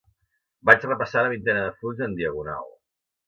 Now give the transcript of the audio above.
Vaig repassar una vintena de fulls en diagonal.